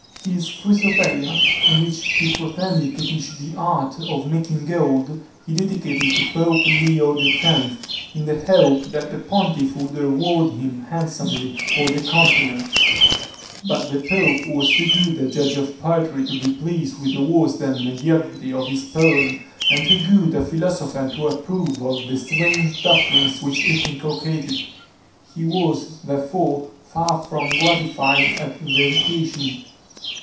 His Chrysopeia, in which he pretended to teach the art of making gold, he dedicated to Pope Leo X., in the hope that the pontiff would reward him handsomely for the compliment; but the pope was too good a judge of poetry to be pleased with the worse than mediocrity of his poem, and too good a philosopher to approve of the strange doctrines which it inculcated; he was, therefore, far from gratified at the dedication.